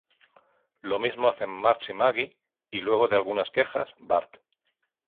Lo mismo hacen Marge y Maggie, y, luego de algunas quejas, Bart.